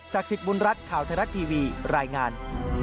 ศักดิ์สิทธิ์บุญรัฐข่าวทะลัดทีวีรายงาน